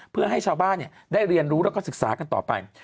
เพื่อให้ชาวบ้านได้เรียนรู้แล้วก็ศึกษากันต่อไป